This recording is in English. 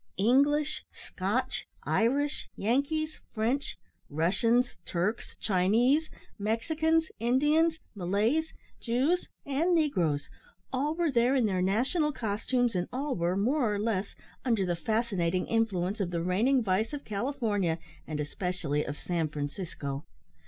English, Scotch, Irish, Yankees, French, Russians, Turks, Chinese, Mexicans, Indians, Malays, Jews, and negroes all were there in their national costumes, and all were, more or less, under the fascinating influence of the reigning vice of California, and especially of San Francisco.